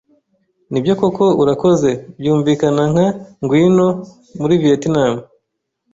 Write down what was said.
Nibyo koko "Urakoze" byumvikana nka "Ngwino" muri Vietnam?